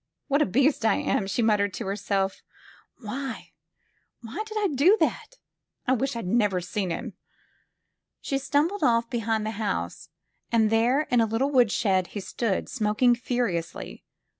What a beast I am!'' she muttered to herself. ''Why — ^why did I do that? I wish I'd never seen him!" She stumbled off behind the house, and there in a lit tle woodshed he stood, smoking furiously.